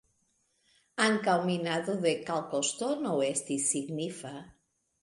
Ankaŭ minado de kalkoŝtono estis signifa.